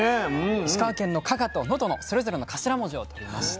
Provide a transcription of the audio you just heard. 石川県の加賀と能登のそれぞれの頭文字をとりました。